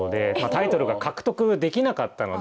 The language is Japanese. タイトルが獲得できなかったので。